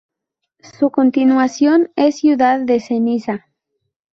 Su continuación es Ciudad de Ceniza